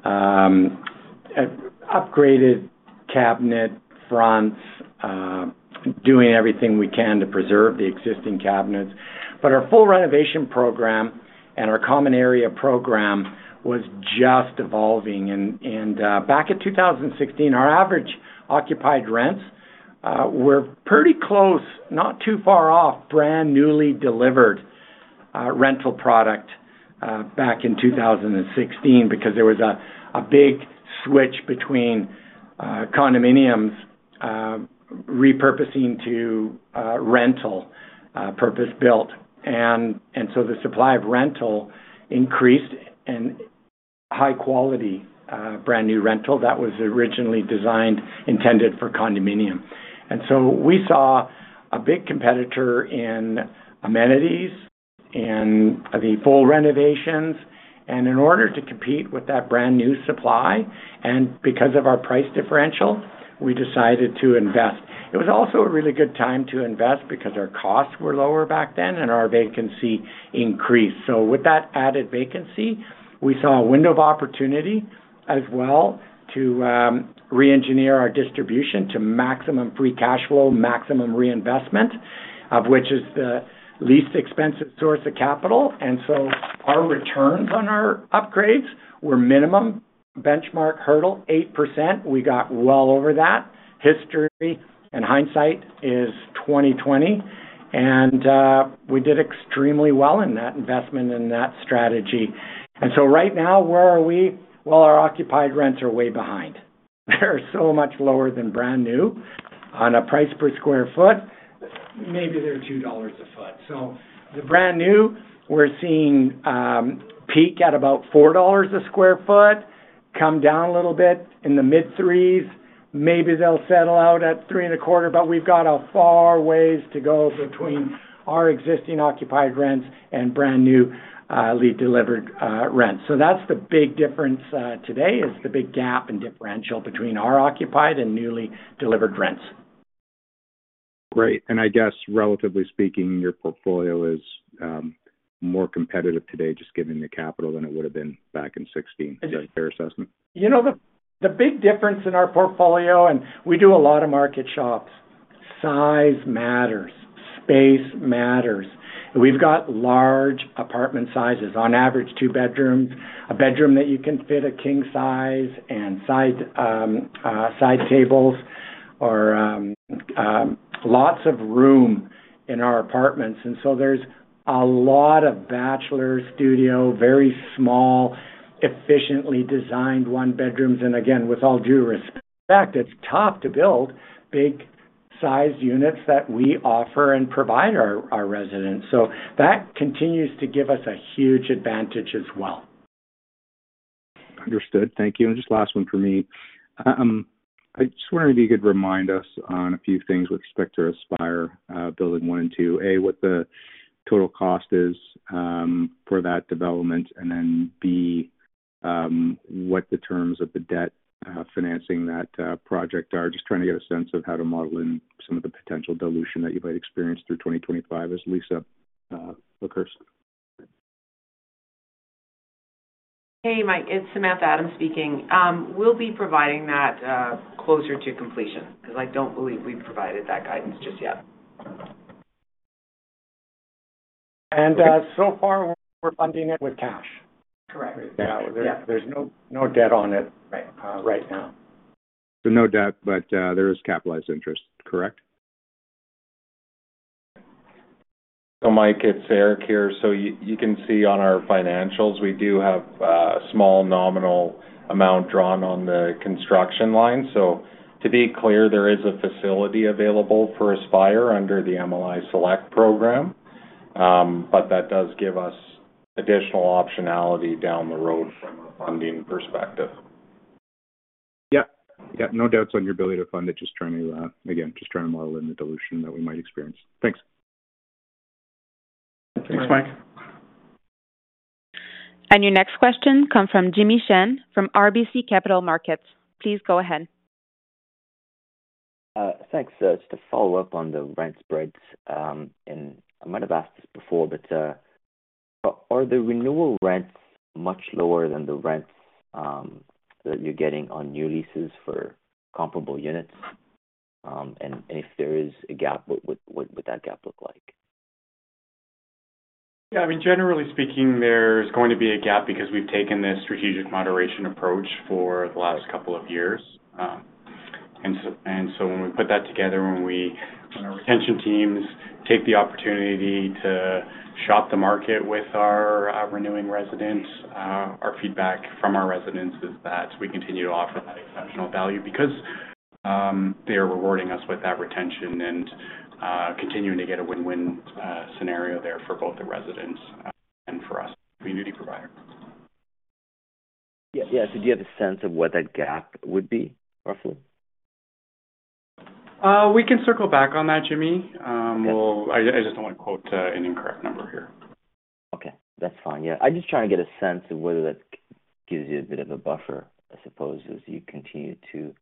upgraded cabinet fronts, doing everything we can to preserve the existing cabinets. But our full renovation program and our common area program was just evolving. And back in 2016, our average occupied rents were pretty close, not too far off, brand newly delivered rental product back in 2016 because there was a big switch between condominiums repurposing to rental purpose built. And so the supply of rental increased and high-quality brand new rental that was originally designed, intended for condominium. And so we saw a big competitor in amenities and the full renovations. And in order to compete with that brand new supply, and because of our price differential, we decided to invest. It was also a really good time to invest because our costs were lower back then and our vacancy increased. So with that added vacancy, we saw a window of opportunity as well to re-engineer our distribution to maximum free cash flow, maximum reinvestment, of which is the least expensive source of capital. And so our returns on our upgrades were minimum benchmark hurdle, 8%. We got well over that. History and hindsight is 2020. And we did extremely well in that investment in that strategy. And so right now, where are we? Well, our occupied rents are way behind. They're so much lower than brand new. On a price per sq ft, maybe they're 2 dollars a foot. So the brand new, we're seeing peak at about 4 dollars a sq ft, come down a little bit in the mid-threes. Maybe they'll settle out at three and a quarter, but we've got a far ways to go between our existing occupied rents and brand newly delivered rents. So that's the big difference today is the big gap and differential between our occupied and newly delivered rents. Great, and I guess, relatively speaking, your portfolio is more competitive today, just given the capital than it would have been back in 2016, is that your assessment? You know, the big difference in our portfolio, and we do a lot of market shops. Size matters. Space matters. We've got large apartment sizes, on average, two bedrooms, a bedroom that you can fit a king size and side tables, or lots of room in our apartments. And so there's a lot of bachelor studio, very small, efficiently designed one-bedrooms. And again, with all due respect, it's tough to build big-sized units that we offer and provide our residents. So that continues to give us a huge advantage as well. Understood. Thank you. And just last one for me. I just wanted to be a good reminder on a few things with respect to Aspire Building 1 and 2. A, what the total cost is for that development, and then B, what the terms of the debt financing that project are. Just trying to get a sense of how to model in some of the potential dilution that you might experience through 2025, as lease-up occurs. Hey, Mike. It's Samantha Adams speaking. We'll be providing that closer to completion because I don't believe we've provided that guidance just yet. And so far, we're funding it with cash. Correct. There's no debt on it right now. So no debt, but there is capitalized interest, correct? Mike, it's Eric here. You can see on our financials, we do have a small nominal amount drawn on the construction line. To be clear, there is a facility available for Aspire under the MLI Select program, but that does give us additional optionality down the road from a funding perspective. Yeah. Yeah. No doubts on your ability to fund it. Just trying to, again, just trying to model in the dilution that we might experience. Thanks. Thanks, Mike. Your next question comes from Jimmy Shan from RBC Capital Markets. Please go ahead. Thanks. Just to follow up on the rent spreads. And I might have asked this before, but are the renewal rents much lower than the rents that you're getting on new leases for comparable units? And if there is a gap, what would that gap look like? Yeah. I mean, generally speaking, there's going to be a gap because we've taken this strategic moderation approach for the last couple of years, and so when we put that together, when we let our retention teams take the opportunity to shop the market with our renewing residents, our feedback from our residents is that we continue to offer that exceptional value because they are rewarding us with that retention and continuing to get a win-win scenario there for both the residents and for us, the community provider. Yeah. So do you have a sense of what that gap would be, roughly? We can circle back on that, Jimmy. I just don't want to quote an incorrect number here. Okay. That's fine. Yeah. I'm just trying to get a sense of whether that gives you a bit of a buffer, I suppose, as you continue to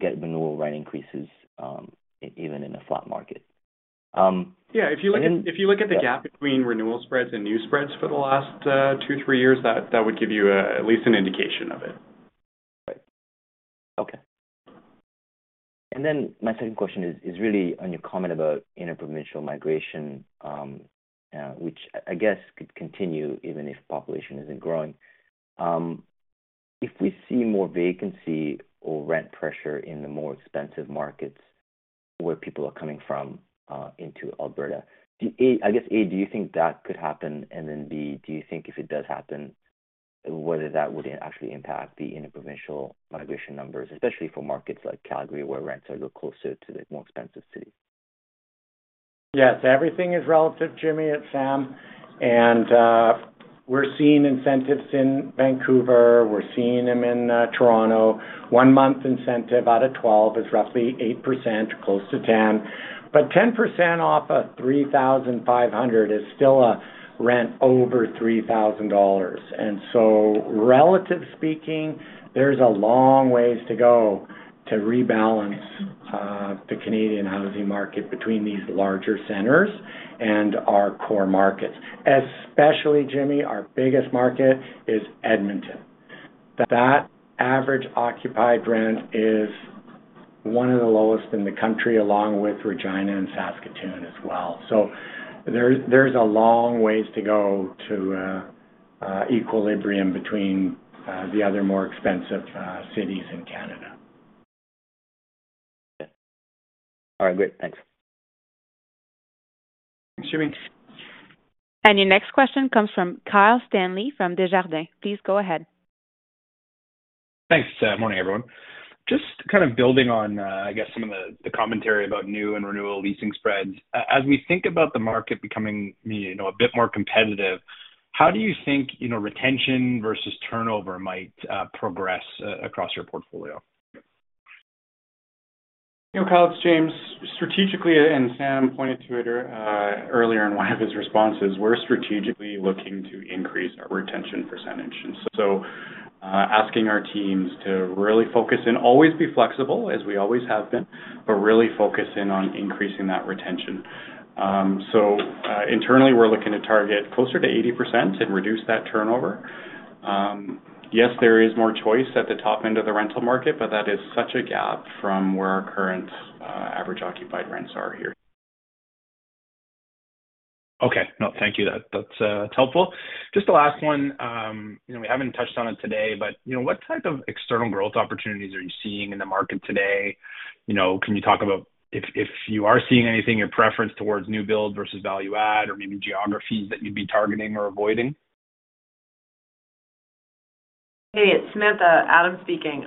get renewal rent increases even in a flat market. Yeah. If you look at the gap between renewal spreads and new spreads for the last two, three years, that would give you at least an indication of it. Right. Okay. And then my second question is really on your comment about interprovincial migration, which I guess could continue even if population isn't growing. If we see more vacancy or rent pressure in the more expensive markets where people are coming from into Alberta, I guess, A, do you think that could happen? And then B, do you think if it does happen, whether that would actually impact the interprovincial migration numbers, especially for markets like Calgary, where rents are a little closer to the more expensive cities? Yes. Everything is relative, Jimmy. It's Sam. And we're seeing incentives in Vancouver. We're seeing them in Toronto. One-month incentive out of 12 is roughly 8%, close to 10%. But 10% off of 3,500 is still a rent over 3,000 dollars. And so relative speaking, there's a long ways to go to rebalance the Canadian housing market between these larger centers and our core markets. Especially, Jimmy, our biggest market is Edmonton. That average occupied rent is one of the lowest in the country, along with Regina and Saskatoon as well. So there's a long ways to go to equilibrium between the other more expensive cities in Canada. Yeah. All right. Great. Thanks. Thanks, Jimmy. And your next question comes from Kyle Stanley from Desjardins. Please go ahead. Thanks. Good morning, everyone. Just kind of building on, I guess, some of the commentary about new and renewal leasing spreads, as we think about the market becoming a bit more competitive, how do you think retention versus turnover might progress across your portfolio? Kyle, it's James. Strategically, and Sam pointed to it earlier in one of his responses, we're strategically looking to increase our retention percentage. And so asking our teams to really focus and always be flexible, as we always have been, but really focus in on increasing that retention. So internally, we're looking to target closer to 80% and reduce that turnover. Yes, there is more choice at the top end of the rental market, but that is such a gap from where our current average occupied rents are here. Okay. No, thank you. That's helpful. Just the last one. We haven't touched on it today, but what type of external growth opportunities are you seeing in the market today? Can you talk about if you are seeing anything, your preference towards new build versus value-add or maybe geographies that you'd be targeting or avoiding? Hey, it's Samantha Adams speaking.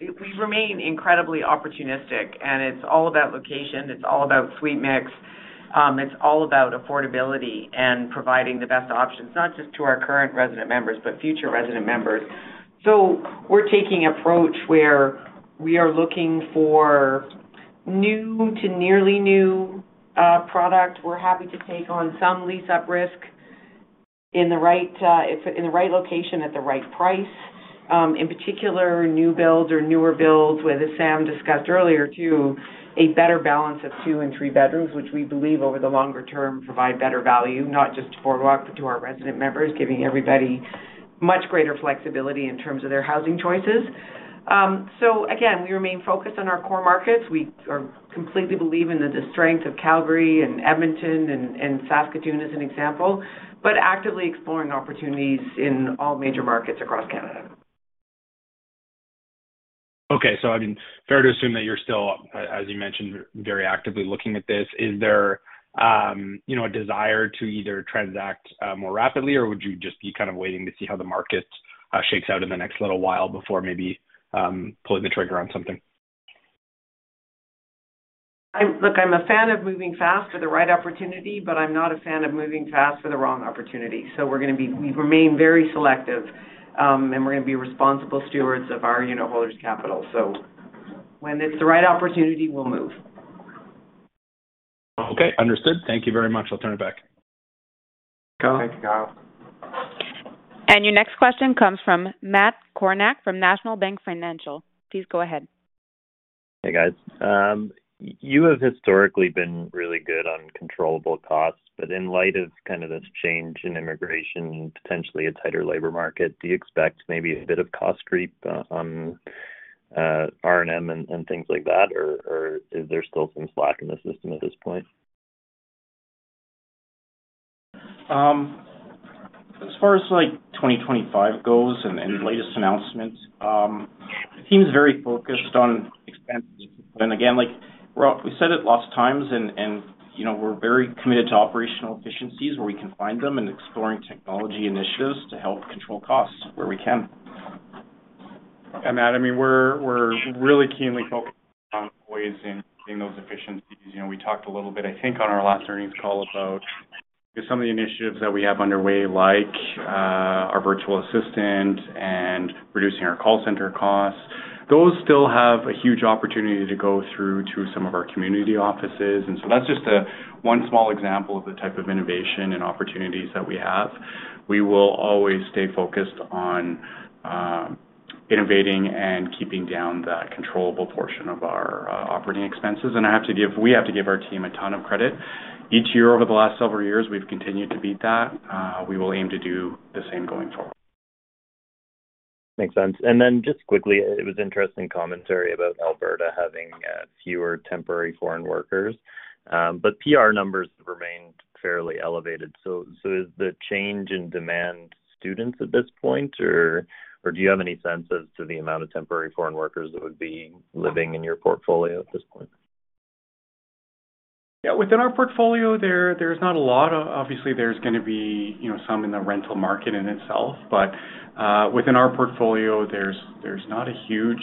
We remain incredibly opportunistic, and it's all about location. It's all about suite mix. It's all about affordability and providing the best options, not just to our current resident members, but future resident members. So we're taking an approach where we are looking for new to nearly new product. We're happy to take on some lease-up risk in the right location at the right price. In particular, new builds or newer builds, as Sam discussed earlier too, a better balance of two and three bedrooms, which we believe over the longer term provide better value, not just to Boardwalk, but to our resident members, giving everybody much greater flexibility in terms of their housing choices. So again, we remain focused on our core markets. We completely believe in the strength of Calgary and Edmonton and Saskatoon as an example, but actively exploring opportunities in all major markets across Canada. Okay. So I mean, fair to assume that you're still, as you mentioned, very actively looking at this. Is there a desire to either transact more rapidly, or would you just be kind of waiting to see how the market shakes out in the next little while before maybe pulling the trigger on something? Look, I'm a fan of moving fast for the right opportunity, but I'm not a fan of moving fast for the wrong opportunity. So we remain very selective, and we're going to be responsible stewards of our unitholders' capital. So when it's the right opportunity, we'll move. Okay. Understood. Thank you very much. I'll turn it back. Thank you, Kyle. And your next question comes from Matt Kornack from National Bank Financial. Please go ahead. Hey, guys. You have historically been really good on controllable costs, but in light of kind of this change in immigration and potentially a tighter labor market, do you expect maybe a bit of cost creep on R&M and things like that, or is there still some slack in the system at this point? As far as 2025 goes and the latest announcements, teams are very focused on expenses. And again, we said it lots of times, and we're very committed to operational efficiencies where we can find them and exploring technology initiatives to help control costs where we can. And that, I mean, we're really keenly focused on pursuing those efficiencies. We talked a little bit, I think, on our last earnings call about some of the initiatives that we have underway, like our virtual assistant and reducing our call center costs. Those still have a huge opportunity to go through to some of our community offices. And so that's just one small example of the type of innovation and opportunities that we have. We will always stay focused on innovating and keeping down the controllable portion of our operating expenses. I have to give our team a ton of credit. Each year over the last several years, we've continued to beat that. We will aim to do the same going forward. Makes sense. And then just quickly, it was interesting commentary about Alberta having fewer temporary foreign workers, but PR numbers remained fairly elevated. So is the change in demand from students at this point, or do you have any sense as to the amount of temporary foreign workers that would be living in your portfolio at this point? Yeah. Within our portfolio, there's not a lot. Obviously, there's going to be some in the rental market in itself, but within our portfolio, there's not a huge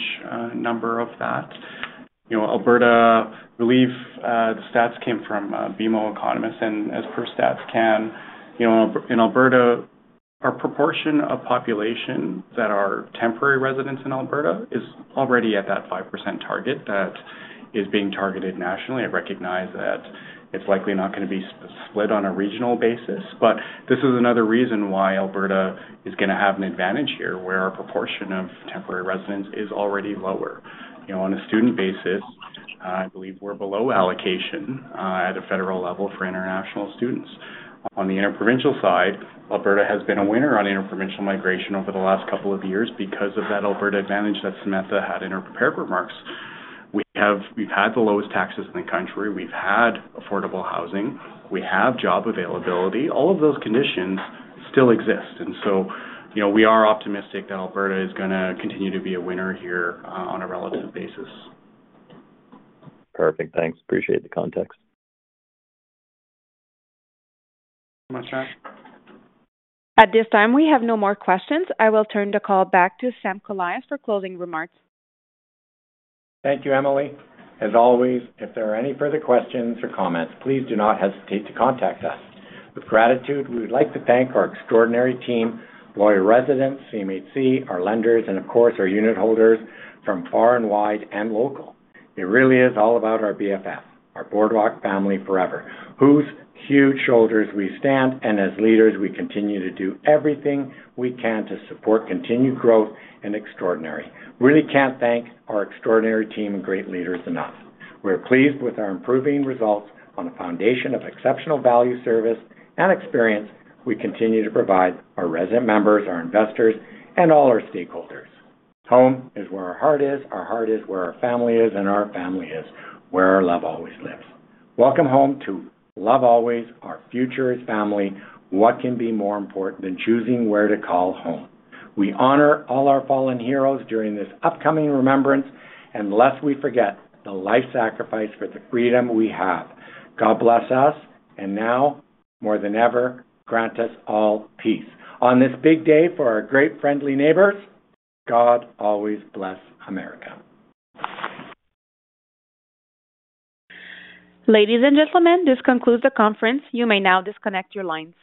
number of that. Alberta, I believe the stats came from BMO Economists, and as per StatsCan, in Alberta, our proportion of population that are temporary residents in Alberta is already at that 5% target that is being targeted nationally. I recognize that it's likely not going to be split on a regional basis, but this is another reason why Alberta is going to have an advantage here where our proportion of temporary residents is already lower. On a student basis, I believe we're below allocation at a federal level for international students. On the interprovincial side, Alberta has been a winner on interprovincial migration over the last couple of years because of that Alberta Advantage that Samantha had in her prepared remarks. We've had the lowest taxes in the country. We've had affordable housing. We have job availability. All of those conditions still exist. And so we are optimistic that Alberta is going to continue to be a winner here on a relative basis. Perfect. Thanks. Appreciate the context. That's right. At this time, we have no more questions. I will turn the call back to Sam Kolias for closing remarks. Thank you, Emily. As always, if there are any further questions or comments, please do not hesitate to contact us. With gratitude, we would like to thank our extraordinary team, loyal residents, CMHC, our lenders, and of course, our unit holders from far and wide and local. It really is all about our BFF, our Boardwalk family forever, on whose huge shoulders we stand, and as leaders, we continue to do everything we can to support continued growth and extraordinary. We really can't thank our extraordinary team and great leaders enough. We're pleased with our improving results on a foundation of exceptional value, service, and experience we continue to provide our resident members, our investors, and all our stakeholders. Home is where our heart is. Our heart is where our family is, and our family is where our love always lives. Welcome home to Love Always. Our future is family. What can be more important than choosing where to call home? We honor all our fallen heroes during this upcoming remembrance, and lest we forget, the life sacrifice for the freedom we have. God bless us, and now, more than ever, grant us all peace. On this big day for our great friendly neighbors, God always bless America. Ladies and gentlemen, this concludes the conference. You may now disconnect your lines.